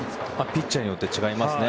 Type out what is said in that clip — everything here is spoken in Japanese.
ピッチャーによって違いますね。